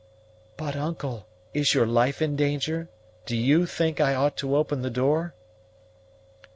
"But, uncle, is your life in danger do you think I ought to open the door?"